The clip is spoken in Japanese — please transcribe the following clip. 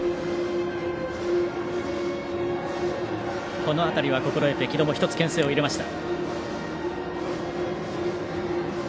この辺りは心得て、城戸も１つ、けん制を入れました。